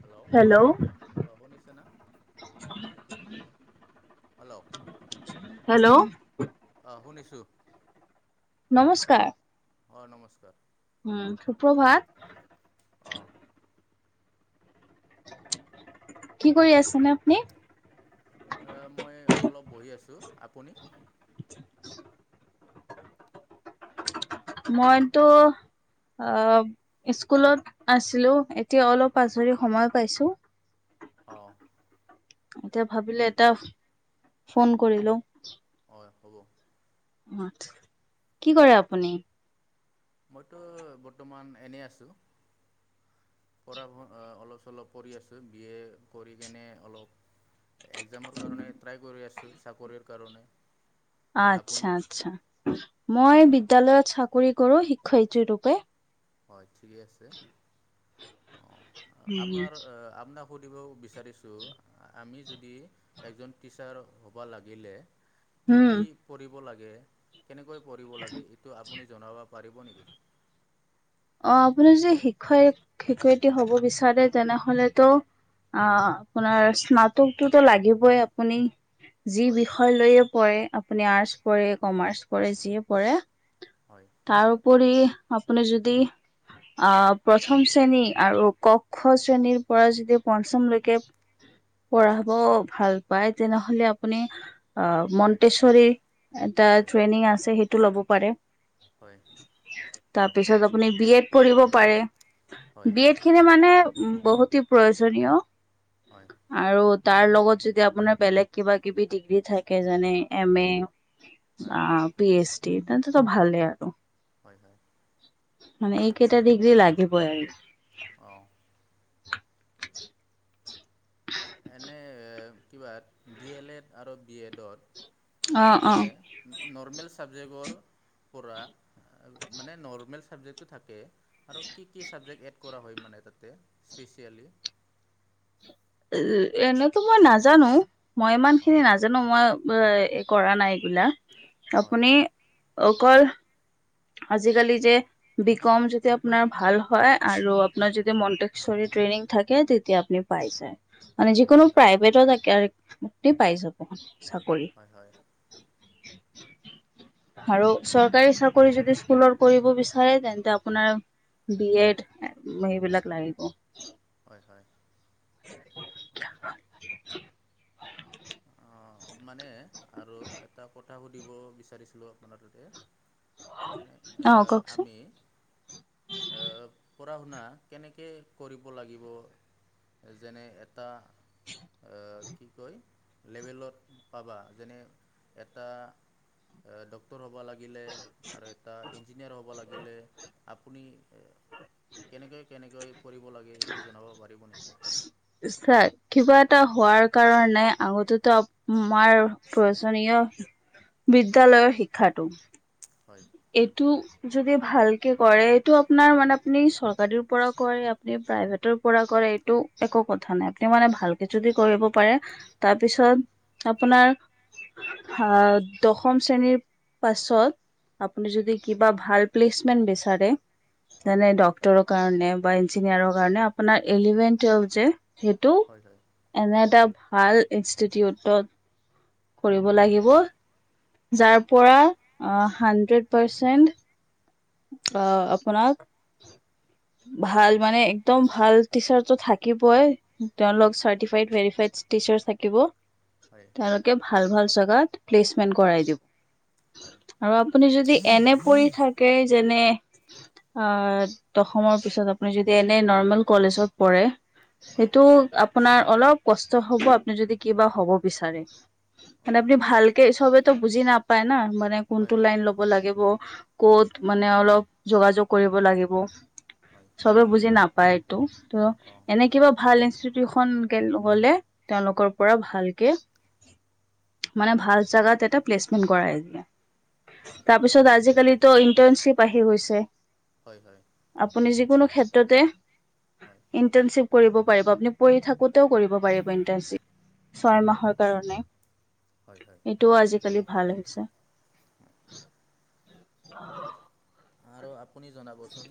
Hello অঁ শুনিছে না? হেল্ল। হেল্ল। অঁ শুনিছোঁ। নমস্কাৰ। হয় নমস্কাৰ। উম সুপ্ৰভাত। অঁহ। কি কৰি আছেনে আপুনি? অ মই অলপ বহি আছোঁ, আপুনি? মইতো অ স্কুলত আছিলো, এতিয়া অলপ আজৰি সময় পাইছো। অ'। এতিয়া ভাবিলে এটা ফোন কৰি লওঁ। হয় হ'ব। [unintelligible] কি কৰে আপুনি? মইতো বৰ্তমান এনেই আছোঁ। কৰা অলপ চলপ কৰি আছোঁ, বি এ কৰি কেনে অলপ একজামৰ কাৰণে ট্ৰাই কৰি আছোঁ, চাকৰিৰ কাৰণে। আচ্ছা আপুনি আচ্ছা। মই বিদ্যালয়ত চাকৰি কৰো শিক্ষয়িত্ৰী ৰূপে। হয় ঠিকেই আছে, অ', আপোনাৰ আপোনাক সুধিব বিচাৰিছোঁ আমি যদি এজন টিচাৰ হবা লাগিলে কি উম কি পঢ়িব লাগে, কেনেকৈ পঢ়িব লাগে এইটো আপুনি জনাব পাৰিব নেকি? অ', আপুনি যদি শিক্ষয়িত শিক্ষয়িত্ৰী হব বিচাৰে তেনেহলেতো অ', আপোনাৰ স্নাতকটোতো লাগিবই আপুনি যি হয় বিষয় লৈয়ে পঢ়ে আপুনি আৰ্টচ পঢ়ে, কমাৰ্চ পঢে, যিয়ে পঢ়ে হয়। তাৰ উপৰি আপুনি যদি আহ প্ৰথম শ্ৰেণী আৰু কওক দুক্ষ শ্ৰেণীৰ পৰা যদি পঞ্চমলৈকে পঢ়াব ভাল পাই তেনেহলে আপুনি আহ মন্তেশ্বৰী এটা হয় ট্ৰেইনিং আছে সেইটো লব পাৰে। হয়। তাৰপিছত আপুনি বি এড পঢ়িব পাৰে, হয় বি এড [unintelligible] খিনি মানে উ বহুতে প্ৰয়োজনীয়। হয়। আৰু তাৰ লগত যদি আপোনাৰ বেলেগ কিবা কিবি ডিগ্ৰী থাকে যেনে এম এ হয় বা পি এইচ ডি এ তেন্তেতো ভালে আৰু। হয় হয়। মানে এইকেইটা ডিগ্ৰী লাগিবই আৰু। অ'। এনে কিবা ডি এল এড আৰু বি এডত অ', এনে অ'। নৰ্মেল চাবজেক্টৰ পৰা, মানে নৰ্মেল ছাবজেক্টো থাকে। আৰু কি কি চাবজেক্ট এড কৰা হয় মানে তাতে স্পেচিয়েলি। উ, এনেতো মই নাজানো, মই ইমান খিনি হয় নাজানো। জানো কৰা নাই এইবিলাক, হয় আপুনি হয় অকল আজিকালি যে বি কম যদি আপোনাৰ ভাল হয় আৰু আপোনাৰ যদি মন্টেছৰী ট্ৰেইনিং থাকে তেতিয়া আপনি পাই যায়। মানে যিকোনো হয় হয় প্ৰাইভেটত [unintelligible] পাই যাব চাকৰি। হয় হয় আৰু চৰকাৰী চা কৰি যদি স্কুলত কৰিব বিচাৰে তেন্তে আপোনাৰ বি এড সেইবিলাক লাগিব। হয় হয়। [inaudible] অ'', মানে আৰু এটা কথা সুধিব বিচাৰিছিলোঁ আপোনাৰ তাতে মানে অ', কওকচোন। আমি এ, পঢ়া শুনা কেনেকে কৰিব লাগিব যেনে এ টা এ, কি কয় লেভেলত পাবা যেনে এটা ডক্তৰ হ'ব লাগ গিলে আৰু এটা ইঞ্জিনিয়াৰ হ'ব লাগিলে আপুনি এ কেনেকে কেনেকৈ পৰিব লাগে সেইটো জনাব পাৰিব নেকি? চাক কিবা এটা হোৱাৰ কাৰণে আগতেতো আ-আমাৰ প্ৰয়োজনীয় বিদ্যালয়ৰ শিক্ষাটো। হয়। এইটো যদি ভালকে কৰে, এইটো আপোনাৰ মানে আপুনি চৰকাৰীৰ পৰা কৰে নে প্ৰাইভেটৰ পৰা কৰে এইটো একো কথা নাই, তেওঁ মানে ভালকে যদি কৰিব পাৰে হয় তাৰপিছত আপোনাৰ আহ, দশম শ্ৰেণীৰ পাছত আপুনি যদি কিবা ভাল প্লিছমেন বিচাৰে হয় যেনে ডক টৰৰ কাৰণে বা ইঞ্জিনিয়াৰৰ কাৰণে আপোনাৰ ইলেভেন টোৱেলভ যে সেইটো হয় হয়। এনে এটা ভাল ইনষ্টিটিউটত কৰিব লাগিব যাৰ পৰা হয় হাণ্ড্ৰেড পাৰ্চেণ্ট আ, আপোনাক ভাল মানে একদম ভাল টিচাৰটো থাকিবই হয় তেওঁলোক চাৰ্টিফাইড, বেৰিফাইড টিচাৰ্ছ থাকিব। হয়। তেওঁলোকে ভাল ভাল জাগাত প্লেচমেন্ট কৰাই দিব। হয় আৰু আপুনি যদি এনে পৰি থাকে যেনে আ, দশমৰ পিছত আপুনি যদি এনে নৰ্মেল কলেজত পঢ়ে হয় সেইটো আপোনাৰ অলপ কষ্ট আপুনি যদি কিবা হ'ব বিচাৰে। মানে অঁ আপুনি হয় ভালকে চবেতো বুজি নাপায় না, মানে হয় কোনটো হয় লাইন ল'ব লাগিব। ক'ত মানে অলপ যোগাযোগ কৰিব লাগিব। হয়। চবে বুজি নাপায় এইটো ত' অঁ এনে কিবা ভাল ইনষ্টিটিউশনকে হ'লে তেওঁলোকৰ পৰা ভালকে মানে ভাল জাগাত এটা প্লেচমেন্ট কৰাই [unintelligible] হয় তাৰ পিছত আজিকালিতো ইন্টাৰ্নশ্বিপ আহি গৈছে। হয় হয়। আপুনি যিকোনো ক্ষেত্ৰতে হয়। ইণ্টাৰ্ণশ্বিপ কৰিব পাৰিব, আপুনি পঢ়ি থাকোঁতেও কৰিব পাৰিব ইণ্টাৰ্ণশ্বিপ। ছয় হয় হয় মাহৰ কাৰণে, হয় হয় এইটোও আজিকালি ভাল হৈছে। [inaudible] আৰু আপুনি জনাবচোন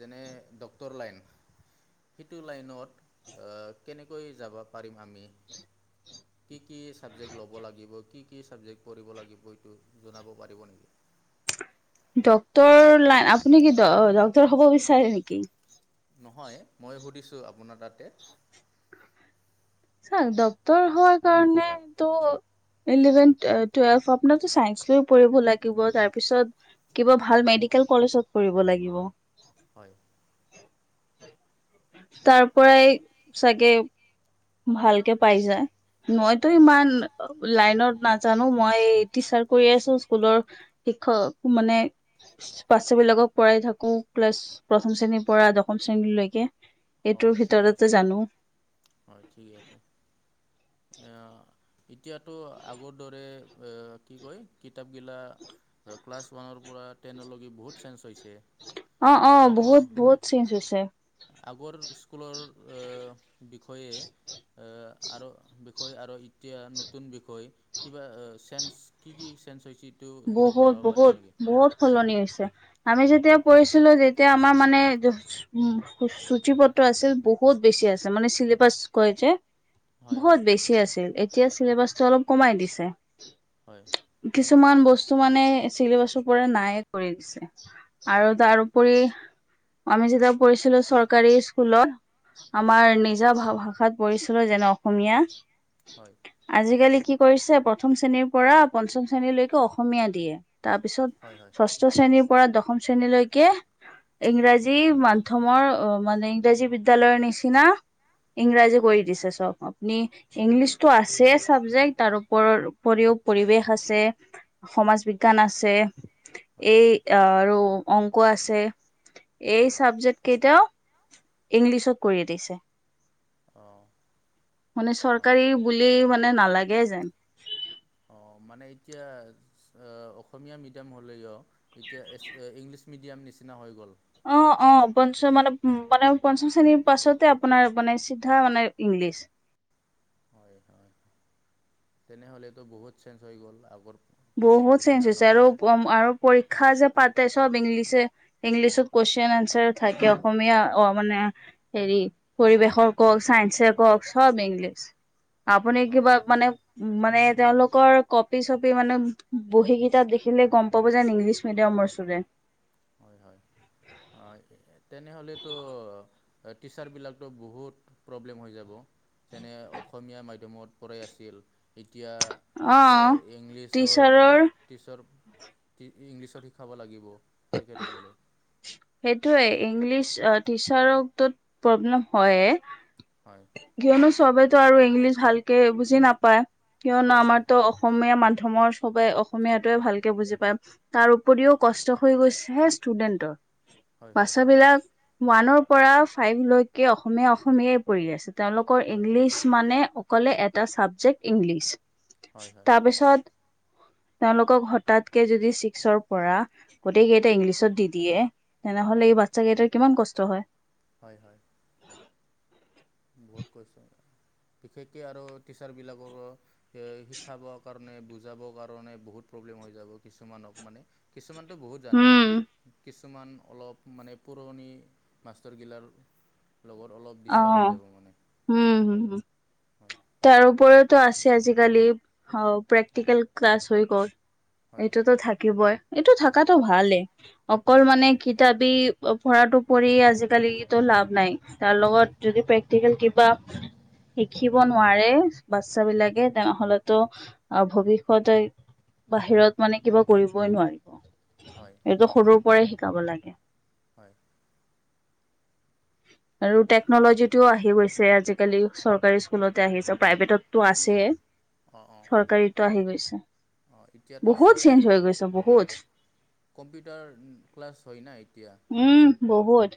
যেনে ডক্টৰ লাইন সিটো লাইনত আ, কেনেকৈ যাব পাৰিম আমি? [inaudible] কি কি ছাবজেক্ট ল'ব লাগিব, কি কি ছাবজেক্ট পঢ়িব লাগিব এইটো জনাব পাৰিব নেকি? ডক্টৰ লাইন, আপুনি কি ডক্টৰ হ'ব বিচাৰে নেকি? নহয়, মই সুধিছোঁ আপোনাৰ তাতে চাক ডক্টৰ হোৱাৰ কাৰণেতো ইলেভেন, টুৱেলভ আপোনাৰো চাইন্স লৈ পঢ়িব লাগিব। তাৰপিছত কিবা ভাল মেডিকেল কলেজত পঢ়িব লাগিব। হয়। তাৰপৰাই চাগে ভালকে পাই যায় মইতো হয় ইমান লাইনত নাজানো, মই টিচাৰ কৰি আছো স্কুলৰ। শিক্ষক মানে পঢ়াই থাকো ক্লাছ প্ৰথম শ্ৰেণীৰ পৰা দশম শ্ৰেণীলৈকে। এইটোৰ অ', ঠিকে ভিতৰতে আছে, জানো। হয়, ঠিক আছে। অ', এতিয়াতো আগৰ দৰে কি কয়, কিতাপ গিলা ক্লাছ ওৱান পৰা টেনলৈক বহুত চেঞ্জ হৈছে। অ', অ', আগৰ বহুত, বহুত চেনচ হৈছে। আগৰ স্কুলৰ বিষয়ে এ আৰু বিষয় আৰু এতিয়া নতুন বিষয়, কিবা চেঞ্জ কি, কি চেঞ্জ হৈছে। এইটো অলপ বহুত, জনাব পাৰিব বহুত নেকি বহুত সলনি হৈছে। আমি এইটো যেতিয়া পঢ়িছোঁ ছিলো যেতিয়া আমাৰ মানে সূচীপত্ৰ আছিল বহুত বেছি আছে, মানে চিলেবাচ কয় যে। হয় বহুত হয় বেছি আছিল, এতিয়া চিলেবাছটো অলপ কমাই দিছে। হয় কিছুমান বস্তু মানে চিলেবাছৰ পৰা নাই কৰি দিছে, আৰু হয় তাৰ পঢ়ি আমি যেতিয়া পঢ়িছিলো চৰকাৰী স্কুলত হয় আমাৰ নিজা ভাষাত পঢ়িছিলো, যেনে, অসমীয়া। হয় আজিকালি কি কৰিছে, প্ৰথম শ্ৰেণীৰ পৰা পঞ্চম শ্ৰেণীলৈকে অসমীয়া দিয়ে। হয় হয় হয় তাৰপিছত ষষ্ঠ শ্ৰেণীৰ পৰা দশম শ্ৰেণীলৈকে ইংৰাজী মাধ্যমৰ মানে ইংৰাজী বিদ্যয়ালয়ৰ নিচিনা ইংৰাজী কৰি দিছে চব অ। নি হয় ইংলিছটো আছে চাবজেক্ট তাৰ ওপৰ উপৰিও পৰিৱেশ আছে। সমাজ বিজ্ঞান আছে হয় হয় এই আৰু অংক আছে। এই হয় চাবজেক্ট কেইটাও ইংলিছত কৰি দিছে। অঁ মানে অঁ চৰকাৰী বুলি মানে নালাগে যে। অঁ মানে এতিয়া এ অসমীয়া মিডিয়াম হ'লেও এতিয়া ইংলিছ। মিডিয়াম নিচিনা হৈ গ'ল। অ অ পঞ্চম মানে মানে পঞ্চম শ্ৰেণীৰ পাছতে আপোনাৰ মানে চিধা মানে ইংলিছ। হয় হয় তেনেহ'লেতো বহুত চেঞ্জ হৈ গ'ল আগৰ। বহুত চেঞ্জ নিচিনা হৈছে নহয় আৰু পম আৰু পৰীক্ষা যে পাতে চব ইংলিছে। ইংলিছত কুৱেশন এনচাৰ থাকে অসমীয়া অ মানে। হেৰি পৰিৱেশৰ কওক চাইন্ঞ্চে। কওক চব ইংলিছ আপুনি অঁ কিবা মানে মানে তেওলোকৰ কপি চপি। মানে বহী কেইটা দেখিলে গম পাব যেন ইংলিছ মিডিয়ামৰ চুডেণ্ট। হয় হয় অ তেনেহলে টো। টিচাৰবিলাক টো বহুত প্ৰব্লেম হৈ যাব। যেনে অসমীয়া মাধ্যমত পঢ়াই আছিল এতিয়া। অ এই ইংলিছৰ টিচাৰৰ টিচাৰ ইংলিচত শিকাব লাগিব। তেখেত সকলে। সেইটোয়ে ইংলিছ অ টিচাৰত টো প্ৰব্লেম হয়ে। হয়। কিয়নো চবেতো আৰু ইংলিছ ভালকে বুজি নাপায়, কিয়নো হয় হয় আমাৰতো অস অসমীয়া মাধ্যমৰ চবেই অসমীয়াটোৱে ভালকৈ বুজি পায়। তাৰ উপৰিও কষ্ট হৈ গৈছে হে ষ্টুডেন্টৰ। হয় হয় বাচ্ছা হয় বিলাক ওৱানৰ পৰা ফাইভ লৈকে অসমীয়া-অসমীয়াই পঢ়ি আছে। তেওঁলোকৰ হয় ইংলিছ মানে অকলে এটা চাবজেক্ট ইংলিছ। হয় হয় তাৰপিছত তেওঁলোকক হঠাৎকে যদি ছিক্সৰ পৰা গোটেইকেইটা ইংলিছত দি দিয়ে, তেনেহ'লে হয় এই বাচ্ছা কেইটাৰ কিমান কষ্ট হয়। হয়, হয়। বহুত কষ্ট হয়। বিশেষকে আৰু টিচাৰবিলাকৰো শিকাব কাৰণে মানে বুজাবৰ কাৰণে বহুত প্ৰব্লেম হৈ যাব, কিছুমানক মানে। কিছুমানটো বহুত জানে, উম। কিছ ছুমান অলপ মানে পুৰণি মাষ্টৰগিলাৰ লগত অলপ অ [unintelligible] হৈ যাব মানে, উম হম। হম। হয়। তাৰ উপৰিওতো আছে আজিকালি অ, প্ৰেক্টিকেল ক্লাছ হৈ গ'ল। হয় হয় এইটোতো থাকিবই, এইটো হয় থকাটো ভালেই। অকল হয় হয় মানে কিতাপি পঢ়াটো পৰি আজিকালি লাভ নাই, তাৰ লগত যদি প্ৰেক্টিকেল কিবা শিকিব নোৱাৰে বাচ্ছা বিলাকে, তেনেহ'লেতো অ ভৱিষ্যতে বাহিৰত মানে কিবা কৰিবই নোৱাৰিব। হয়। এইটো সৰুৰ পৰাই শিকাব লাগে। হয়। আৰু টেকনলজি টোও আহি গৈছে, আজিকালি চৰকাৰী স্কুলতে আহিছে, প্ৰাইভেটত তো আছেই, অঁ অঁ চৰকাৰীটো আহি গৈছে। অঁ, এতিয়াতো বহুত চব চেঞ্জ হৈ স্কুলত গৈছে অ বহুত কম্পিউটাৰ ক্লাছ হয় না এতিয়া। উম বহুত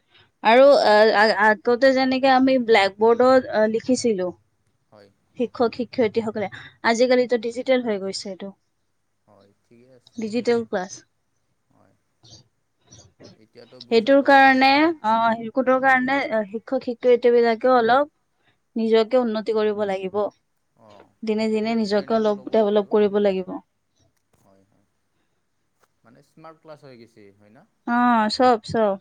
আৰু আৰু অঁ আ আ আগতে যেনেকে আমি ব্লেক বৰ্ডত লিখিছিলোঁ হয়। শিক্ষক-শিক্ষয়িত্ৰীসকলে, আজিকালিতো ডিজিটেল হৈ গৈছে এইটো। হয় ঠিকেই আছে ডিজিটেল ক্লাছ। হয় এতিয়াতো সেইটোৰ বুজাব কাৰণে অ' সেইটোৰ কাৰণে শিক্ষক-শিক্ষয়িত্ৰী বিলাকেও অলপ নিজকে উন্নতি কৰিব লাগিব। অঁ বহুত দিনে-দিনে নিজকে ট্ৰেইনিং অলপ ল'ব লাগিব ডেভেলপ কৰিব লাগিব। হয়, হয়, মানে ক্লাছ হৈ গৈছে হয়, না! অ', চব, চব।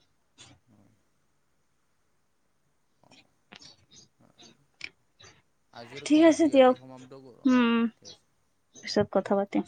অ'। আজিৰ ঠিক আছে কথাটো দিয়ক ইয়াতে সমাপ্ত কৰোঁ, উম অঁ', ঠিক আছে। পিছত কথা পাতিম।